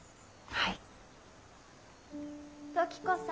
はい。